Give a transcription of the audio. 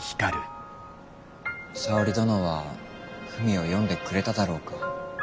沙織殿は文を読んでくれただろうか。